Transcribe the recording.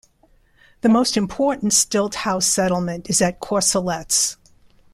The most important stilt house settlement is at Corcelettes.